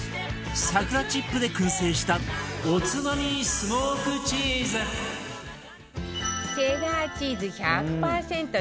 桜チップで燻製したおつまみスモークチーズチェダーチーズ１００パーセント